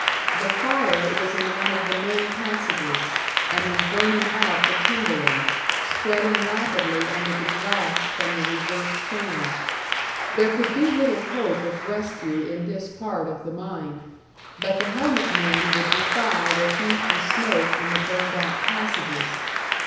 The fire was in one of the main passages, and was burning out the timbering, spreading rapidly under the draft from the reversed fan. There could be little hope of rescue in this part of the mine, but the helmet men would defy the heat and smoke in the burned out passages.